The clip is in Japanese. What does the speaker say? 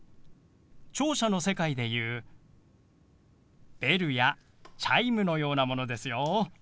聴者の世界でいうベルやチャイムのようなものですよ。